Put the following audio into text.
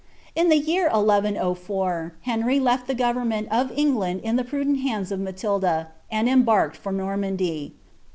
In the year 1 104, Henry left the ffovemment of England in the prudent hands of Matil^ and embarked for Normandy.